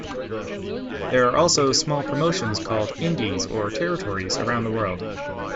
There are also small promotions called indies or territories around the world.